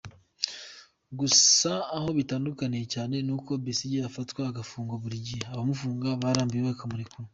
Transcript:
Gusa aho bitandukaniye cyane n’uko Besigye afatwa agafungwa buri gihe, abamufunga barambirwa bakamurekura.